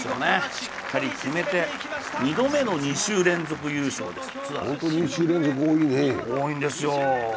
しっかり決めて、２度目の２週連続優勝です、ツアーで。